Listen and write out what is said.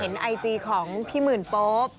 เห็นไอจีของพี่หมื่นโป๊บ